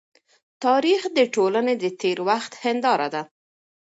تاریخ د ټولني د تېر وخت هنداره ده.